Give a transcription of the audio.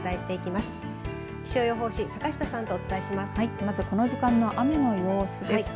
まずこの時間の雨の様子です。